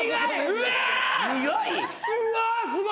うわすごい。